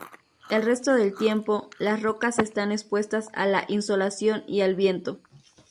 El resto del tiempo, las rocas están expuestas a la insolación y al viento.